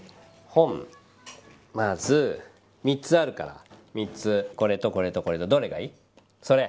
本、まず３つあるから３つ、これとこれとこれ。